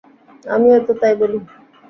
আমিও তো তাই বলি।